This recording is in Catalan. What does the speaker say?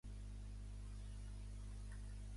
L'anime pot provenir de la mateixa manera d'un manga.